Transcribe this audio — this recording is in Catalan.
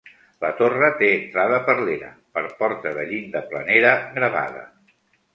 La torre té entrada per l'era, per porta de llinda planera gravada.